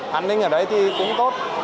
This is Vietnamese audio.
hành linh ở đấy thì cũng tốt